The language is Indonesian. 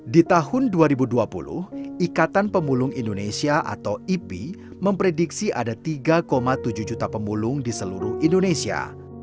di tahun dua ribu dua puluh ikatan pemulung indonesia atau ipi memprediksi ada tiga tujuh juta pemulung di seluruh indonesia